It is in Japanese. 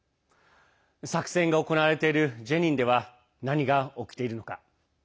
作戦が行われているジェニンでは何が起きているのか。